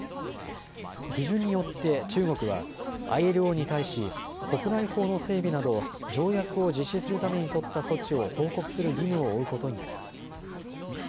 批准によって中国はＩＬＯに対し国内法の整備など条約を実施するために取った措置を報告する義務を負うことになります。